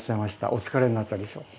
お疲れになったでしょう。